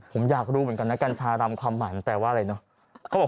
ผมอยากรู้เหมือนกันนะกัญชารำความหมายมันแปลว่าอะไรเนอะ